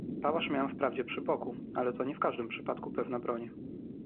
"Pałasz miałem wprawdzie przy boku, ale to nie w każdym wypadku pewna broń."